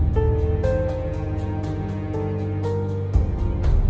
โปรดติดตามต่อไป